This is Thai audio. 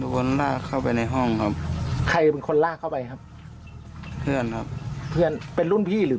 คนลากเข้าไปในห้องครับใครเป็นคนลากเข้าไปครับเพื่อนครับเพื่อนเป็นรุ่นพี่หรือ